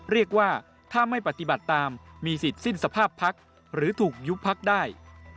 เรียกว่าถ้าไม่ปฏิบัติตามมีสิทธิ์สิ้นสภาพพักหรือถูกยุบพักได้